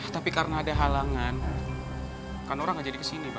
tapi karena ada halangan kan orang gak jadi kesini pak